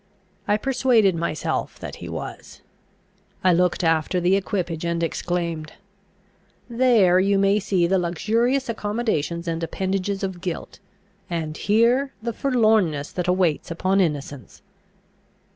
I persuaded myself that he was. I looked after the equipage, and exclaimed, "There you may see the luxurious accommodations and appendages of guilt, and here the forlornness that awaits upon innocence!"